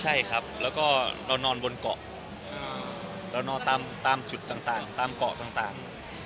ใช่ครับแล้วก็เรานอนบนเกาะเรานอนตามจุดต่างตามเกาะต่าง